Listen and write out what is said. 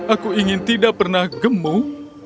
aku ingin tidak pernah gemuk